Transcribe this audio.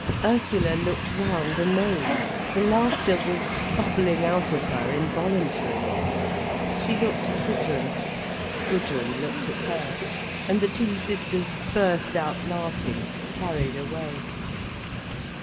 Ursula looked round amazed, the laughter was bubbling out of her involuntarily. She looked at Gudrun. Gudrun looked at her, and the two sisters burst out laughing, carried away.